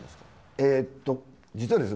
えっと実はですね